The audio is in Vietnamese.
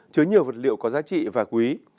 chứa nhiều vật liệu có giá trị và quý